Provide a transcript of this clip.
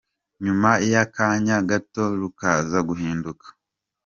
nyuma y’akanya gato rukaza guhinduka.